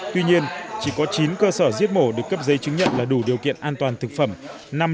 tuy nhiên chỉ có chín cơ sở giết mổ được cấp giấy chứng nhận là đủ điều kiện an toàn thực phẩm